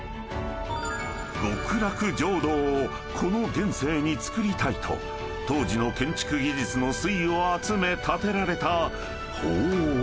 ［極楽浄土をこの現世につくりたいと当時の建築技術の粋を集め建てられた鳳凰堂］